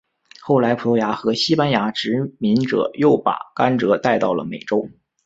后来葡萄牙和西班牙殖民者又把甘蔗带到了美洲。